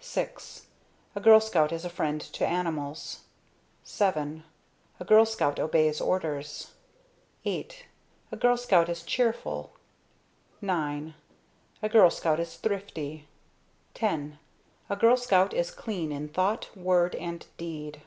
VI A Girl Scout is a friend to Animals. VII A Girl Scout obeys Orders. VIII A Girl Scout is Cheerful. IX A Girl Scout is Thrifty. X A Girl Scout is Clean in Thought, Word and Deed.